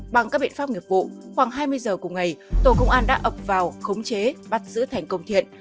bằng các biện pháp nghiệp vụ khoảng hai mươi giờ cùng ngày tổ công an đã ập vào khống chế bắt giữ thành công thiện